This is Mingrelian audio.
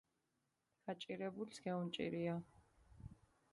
გაჭირებულს გეუნჭირია